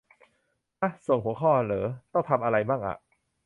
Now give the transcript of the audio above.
ห๊ะ ! ส่งหัวข้อเหรอ ต้องทำอะไรมั่งอ่ะ